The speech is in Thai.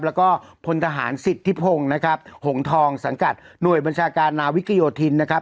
แล้วก็พลทหารสิทธิพงศ์นะครับหงทองสังกัดหน่วยบัญชาการนาวิกโยธินนะครับ